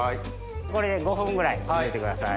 これで５分ぐらい茹でてください。